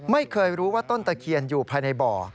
ไม่เคยรู้ว่าต้นตะเคียนอยู่ภายในบ่อ